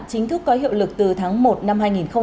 chính thức có hiệu lực từ tháng một năm hai nghìn hai mươi